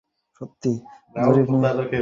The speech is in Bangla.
জরিপ নিয়ে চিন্তা করবেন না।